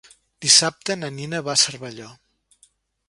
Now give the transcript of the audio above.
Dissabte na Nina va a Cervelló.